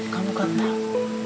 kamu kan tau